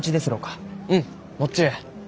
うん持っちゅう。